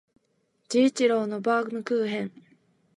治一郎のバームクーヘン